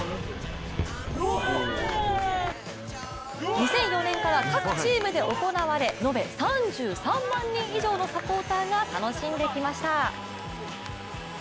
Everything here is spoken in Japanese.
２００４年から各チームで行われ延べ３３万人以上のサポーターが楽しんできました。